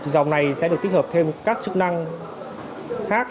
dòng này sẽ được tích hợp thêm các chức năng khác